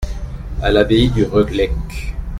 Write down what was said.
À l’abbaye du Relecq.